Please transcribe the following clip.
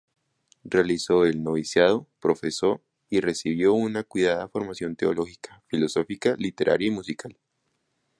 Realizó el noviciado, profesó y recibió una cuidada formación teológica, filosófica, literaria y musical.